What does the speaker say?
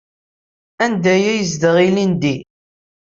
Anda ay yezdeɣ ilindi?